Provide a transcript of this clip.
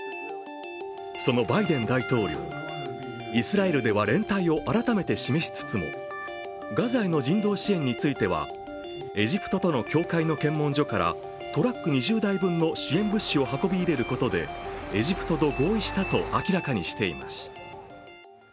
そのバイデン大統領、イスラエルでは連帯を改めて示しつつもガザへの人道支援については、エジプトとの境界の検問所から、トラック２０台分の支援物資を運び入れることでエジプトと合意したと明らかにしています。